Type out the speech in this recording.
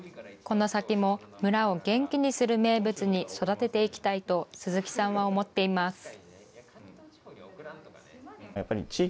この先も村を元気にする名物に育てていきたいと鈴木さんは思っています。